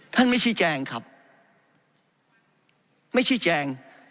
ท่านไม่ใช่แจงครับไม่ใช่แจง